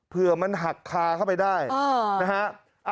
เผื่อมันหักคาเข้าไปได้นะฮะ